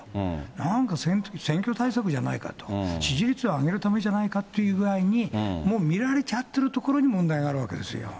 なんか、選挙対策じゃないかと、支持率を上げるためじゃないかという具合に、もう見られちゃってるところに問題があるわけですよ。